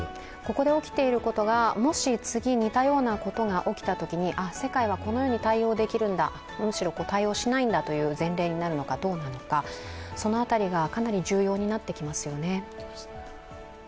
ここで起きていることが、もし次に多様なことが起きたときに、世界はこのように対応できるんだ、むしろ対応しないんだという前例になるのかどうなのか、その辺りがかなり重要になってきますよね。